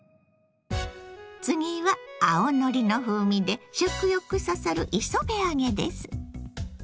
次は青のりの風味で食欲そそる磯辺揚げです。